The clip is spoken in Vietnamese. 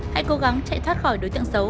hãy cố gắng chạy thoát khỏi đối tượng xấu